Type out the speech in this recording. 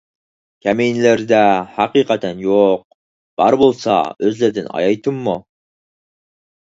كەمىنىلىرىدە ھەقىقەتەن يوق، بار بولسا ئۆزلىرىدىن ئايايتىممۇ؟